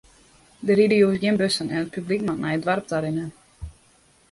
Der ride jûns gjin bussen en it publyk moat nei it doarp ta rinne.